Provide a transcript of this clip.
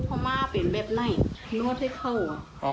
ก็บอกว่ามันไม่เป็นความจริงเลย